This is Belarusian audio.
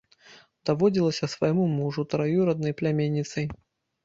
Даводзілася свайму мужу траюраднай пляменніцай.